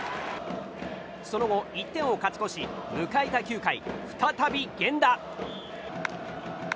その後、１点を勝ち越し迎えた９回、再び、源田。